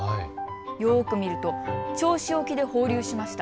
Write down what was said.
よく見ると銚子沖で放流しました。